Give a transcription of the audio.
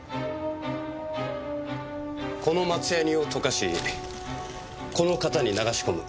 この松ヤニを溶かしこの型に流し込む。